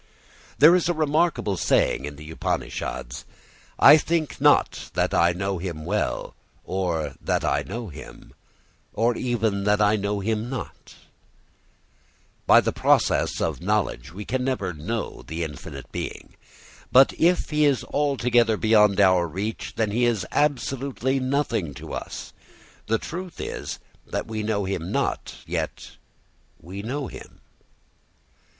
There is a remarkable saying in the Upanishads: I think not that I know him well, or that I know him, or even that I know him not. [Footnote: Nāham manye suvedeti no na vedeti vedacha.] By the process of knowledge we can never know the infinite being. But if he is altogether beyond our reach, then he is absolutely nothing to us. The truth is that we know him not, yet we know him.